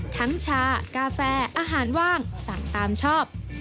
ชากาแฟอาหารว่างสั่งตามชอบ